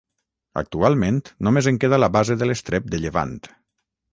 Actualment només en queda la base de l’estrep de llevant.